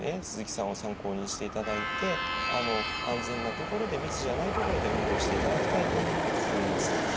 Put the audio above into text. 鈴木さんを参考にしていただいて安全な所で密じゃない所で運動していただきたいと思います。